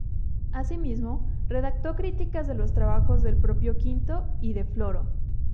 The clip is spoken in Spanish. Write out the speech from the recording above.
Asimismo, redactó críticas de los trabajos del propio Quinto y de Floro.